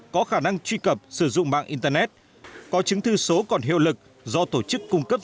có khả năng truy cập sử dụng mạng internet có chứng thư số còn hiệu lực do tổ chức cung cấp